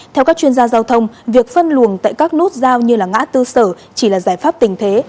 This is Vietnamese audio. theo các chuyên gia giao thông việc phân luồng tại các nút giao như ngã tư sở chỉ là giải pháp tình thế